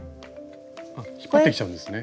あっ引っ張ってきちゃうんですね。